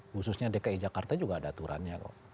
khususnya dki jakarta juga ada aturannya kok